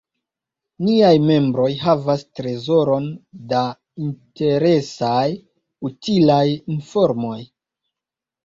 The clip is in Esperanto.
Niaj membroj havas trezoron da interesaj, utilaj informoj.